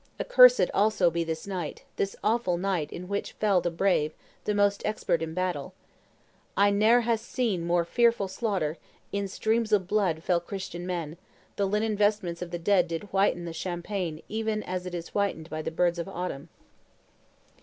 Accursed, also, be this night, this awful night in which fell the brave, the most expert in battle! Eye ne'er hath seen more fearful slaughter: in streams of blood fell Christian men; the linen vestments of the dead did whiten the champaign even as it is whitened by the birds of autumn!"